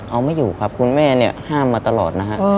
เอาไม่อยู่ครับคุณแม่เนี่ยห้ามมาตลอดนะฮะ